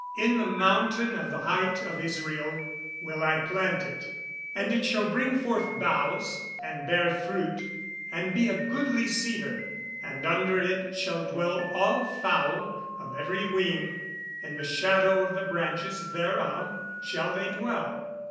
[Verse: "In the mountain of the height of Israel will I plant it; and it shall bring forth boughs, and bear fruit, and be a goodly cedar: and under it shall dwell all fowl of every wing; in the shadow of the branches thereof shall they dwell."